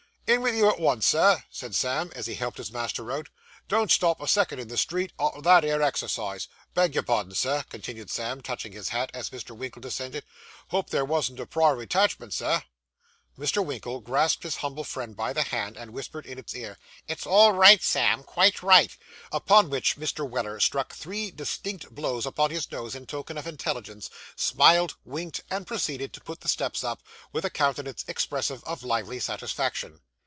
'In with you at once, sir,' said Sam, as he helped his master out. 'Don't stop a second in the street, arter that 'ere exercise. Beg your pardon, sir,' continued Sam, touching his hat as Mr. Winkle descended, 'hope there warn't a priory 'tachment, sir?' Mr. Winkle grasped his humble friend by the hand, and whispered in his ear, 'It's all right, Sam; quite right.' Upon which Mr. Weller struck three distinct blows upon his nose in token of intelligence, smiled, winked, and proceeded to put the steps up, with a countenance expressive of lively satisfaction.